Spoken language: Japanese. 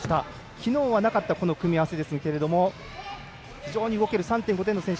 きのうは、なかったこの組み合わせですが非常に動ける３．５点の選手